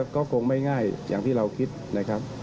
ก็คงไม่ง่ายอย่างที่เราคิดนะครับ